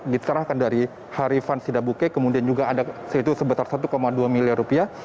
diserahkan dari harifan sidabuke kemudian juga ada yaitu sebesar satu dua miliar rupiah